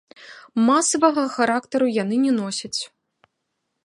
Масавага характару яны не носяць.